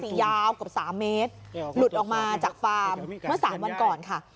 ยาวเกือบ๓เมตรหลุดออกมาจากฟาร์มเมื่อสามวันก่อนค่ะ